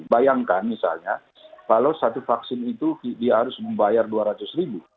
bayangkan misalnya kalau satu vaksin itu dia harus membayar dua ratus ribu